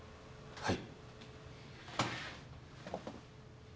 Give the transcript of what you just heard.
はい。